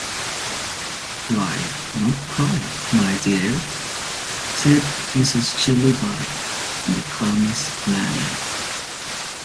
"Why, not quite, my dear," said Mrs. Jellyby in the calmest manner.